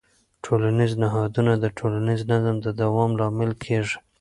ټولنیز نهادونه د ټولنیز نظم د دوام لامل کېږي.